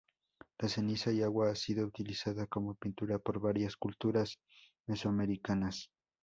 La ceniza y agua ha sido utilizada como pintura por varias culturas mesoamericanas.